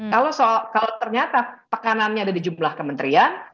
kalau ternyata tekanannya ada di jumlah kementerian